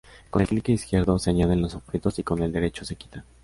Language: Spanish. Con el click izquierdo se añaden los objetos y con el derecho se quitan.